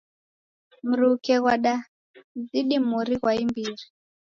Mruke ghwadazidi mori ghwa imbiri.